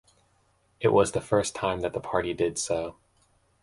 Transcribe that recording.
It was the first time that the party did so.